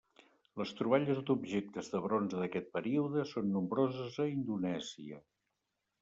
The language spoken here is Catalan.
Les troballes d'objectes de bronze d'aquest període són nombroses a Indonèsia.